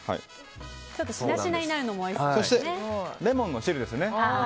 そして、レモンの汁ですね。